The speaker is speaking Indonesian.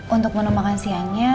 untuk menu makan siangnya